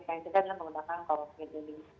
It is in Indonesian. adalah menggunakan kloroquine ini